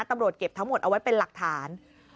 ตำรวจเก็บทั้งหมดเอาไว้เป็นหลักฐาน